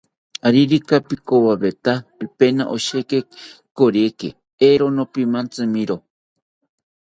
Aririka pikowawita pipena osheki koriki, eero nopimantzimiro